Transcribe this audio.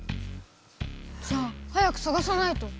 じゃあ早くさがさないと。